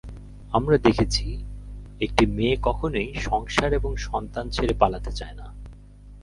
আমরা দেখেছি, একটি মেয়ে কখনোই সংসার এবং সন্তান ছেড়ে পালাতে চায় না।